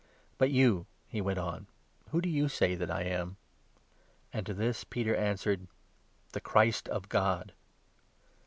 " But you," he went on, " who do you say that I am ?" And to this Peter answered : "The Christ of God."